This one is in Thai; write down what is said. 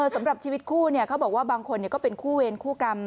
สำหรับชีวิตคู่เขาบอกว่าบางคนก็เป็นคู่เวรคู่กรรม